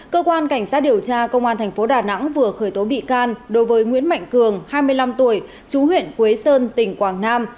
cơ quan cảnh sát điều tra công an tp đà nẵng vừa khởi tố bị can đối với nguyễn mạnh cường hai mươi năm tuổi chú huyện quế sơn tỉnh quảng nam